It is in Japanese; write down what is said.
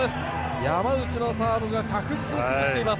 山内のサーブが確実に崩しています。